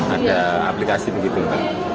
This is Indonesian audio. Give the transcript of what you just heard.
ada aplikasi begitu kan